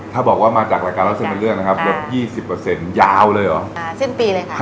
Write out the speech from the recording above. ถ้าบอกว่ามาจากรายการเล่าเส้นเป็นเรื่องนะครับ๒๐ยาวเลยหรออ่าสิ้นปีเลยครับ